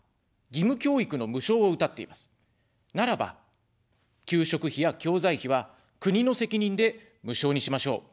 ならば、給食費や教材費は国の責任で無償にしましょう。